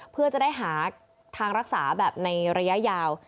เพื่อจะได้หาทางรักษาแบบในระยะยาว